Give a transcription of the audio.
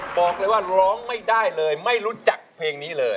บอกเลยว่าร้องไม่ได้เลยไม่รู้จักเพลงนี้เลย